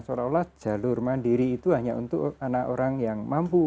seolah olah jalur mandiri itu hanya untuk anak orang yang mampu